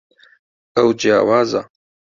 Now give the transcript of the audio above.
ئەو جیاوازە.